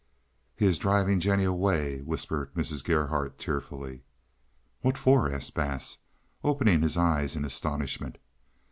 "He is driving Jennie away," whispered Mrs. Gerhardt tearfully. "What for?" asked Bass, opening his eyes in astonishment.